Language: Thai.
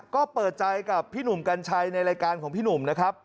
ก็เปิดใจกับพี่หนุ่มกัญชัยในรายการของพี่หนุ่มนะครับ